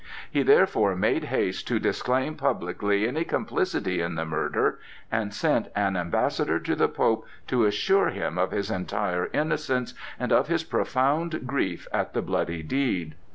He therefore made haste to disclaim publicly any complicity in the murder, and sent an ambassador to the Pope to assure him of his entire innocence and of his profound grief at the bloody deed.